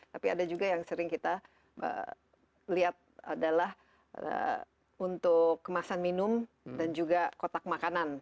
tapi ada juga yang sering kita lihat adalah untuk kemasan minum dan juga kotak makanan